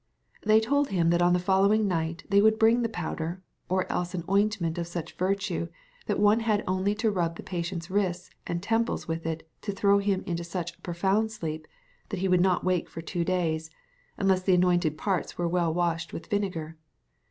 They told him that on the following night they would bring the powder, or else an ointment of such virtue that one had only to rub the patient's wrists and temples with it to throw him into such a profound sleep, that he would not wake for two days, unless the anointed parts were well washed with vinegar.